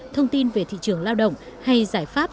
thông tin về thị trường lao động hay giải pháp